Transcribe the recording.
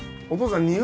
お父さん。